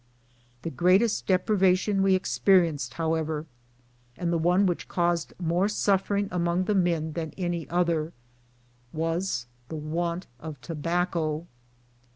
The greatest deprivation we experienced, however, and the one which caused more suffering among the men than BILLY, THE MULE. 239 any other, was the want of tobacco.